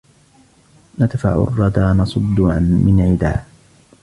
ندفعُ الرّدَى نصدُّ من عدا